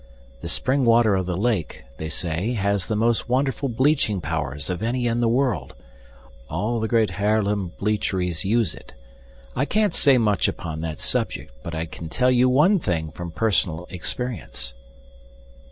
The spring water of the lake, they say, has the most wonderful bleaching powers of any in the world; all the great Haarlem bleacheries use it. I can't say much upon that subject, but I can tell you ONE thing from personal experience."